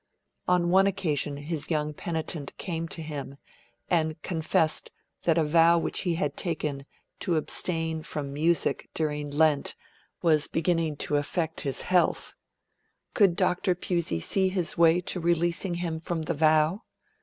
On one occasion his young penitent came to him, and confessed that a vow which he had taken to abstain from music during Lent was beginning to affect his health. Could Dr. Pusey see his way to releasing him from the vow?